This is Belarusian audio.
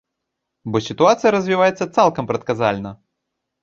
Бо сітуацыя развіваецца цалкам прадказальна.